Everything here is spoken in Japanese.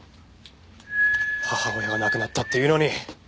母親が亡くなったっていうのに。